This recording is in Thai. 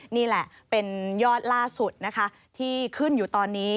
นี่แหละเป็นยอดล่าสุดนะคะที่ขึ้นอยู่ตอนนี้